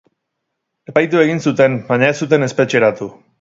Epaitu egin zuten, baina ez zuten espetxeratu.